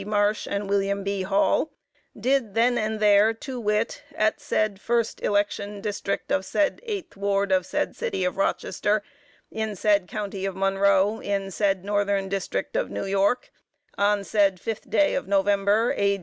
Marsh, and William B. Hall, did then and there, to wit, at said first election District of said eighth ward of said City of Rochester, in said County of Monroe, in said Northern District of New York, on said fifth day of November, A.